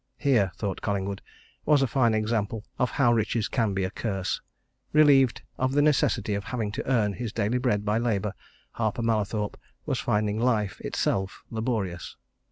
Here, thought Collingwood, was a fine example of how riches can be a curse relieved of the necessity of having to earn his daily bread by labour, Harper Mallathorpe was finding life itself laborious.